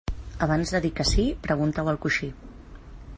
Abans de dir que sí, pregunta-ho al coixí.